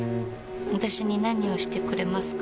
私に何をしてくれますか？